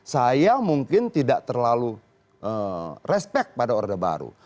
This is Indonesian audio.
saya mungkin tidak terlalu respect pada orde baru